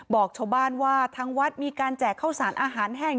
บอกชาวบ้านว่าทางวัดมีการแจกข้าวสารอาหารแห้ง